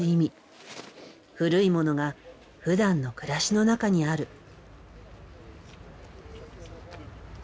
古いモノがふだんの暮らしの中にある。